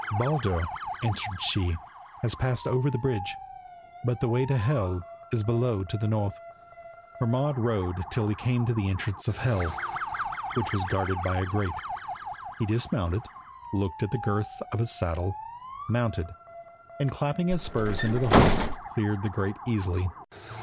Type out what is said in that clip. "Baldur," answered she, "has passed over the bridge, but the way to Hel is below to the north." Hermod rode on till he came to the entrance of Hel, which was guarded by a grate. He dismounted, looked to the girths of his saddle, mounted, and clapping his spurs into the horse, cleared the grate easily.